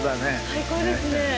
最高ですね。